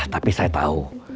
tapi saya tahu